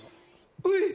おい！